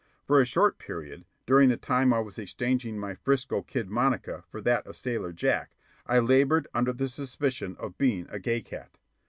For a short period, during the time I was exchanging my 'Frisco Kid monica for that of Sailor Jack, I labored under the suspicion of being a gay cat.